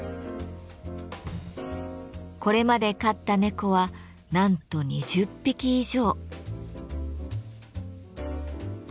これまで飼った猫はなんと２０匹以上。